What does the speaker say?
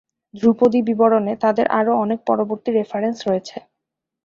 ধ্রুপদী বিবরণে তাদের আরও অনেক পরবর্তী রেফারেন্স রয়েছে।